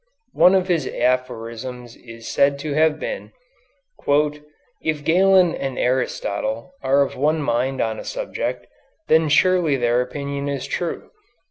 One of his aphorisms is said to have been, "If Galen and Aristotle are of one mind on a subject, then surely their opinion is true.